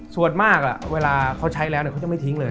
ส่วนมากเวลาเขาใช้แล้วเขาจะไม่ทิ้งเลย